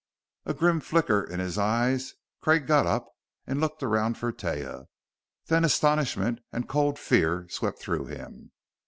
A grim flicker in his eyes, Craig got up and looked around for Taia. Then astonishment and cold fear swept through him.